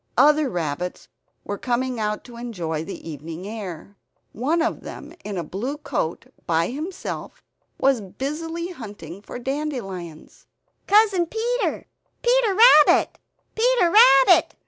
Other rabbits were coming out to enjoy the evening air. One of them in a blue coat, by himself, was busily hunting for dandelions. "Cousin Peter! Peter Rabbit, Peter Rabbit!"